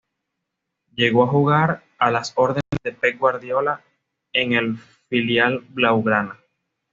Llegó a jugar a las órdenes de Pep Guardiola en el filial blaugrana.